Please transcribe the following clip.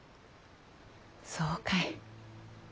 そうかい。